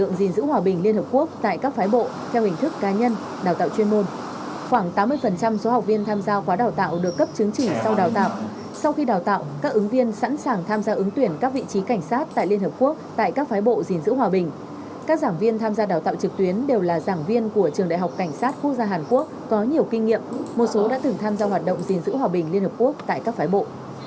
một số đã thường tham gia hoạt động gìn giữ hòa bình liên hợp quốc tại các phái bộ